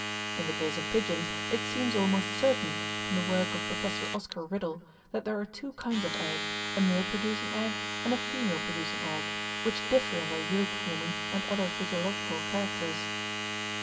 In the case of pigeons it seems almost certain, from the work of Professor Oscar Riddle, that there are two kinds of egg, a male producing egg and a female producing egg, which differ in their yolk forming and other physiological characters.